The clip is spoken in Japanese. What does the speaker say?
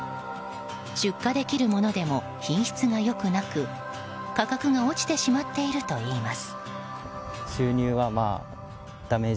出荷できるものでも品質が良くなく価格が落ちてしまっているといいます。